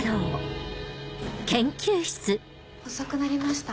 遅くなりました。